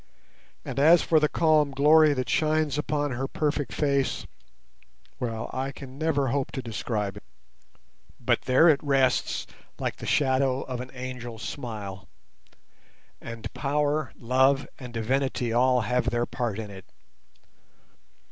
And as for the calm glory that shines upon her perfect face—well, I can never hope to describe it. But there it rests like the shadow of an angel's smile; and power, love, and divinity all have their part in it.